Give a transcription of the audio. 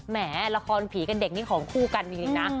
แหมละครผีกับเด็กนี่ของคู่กันจริงนะ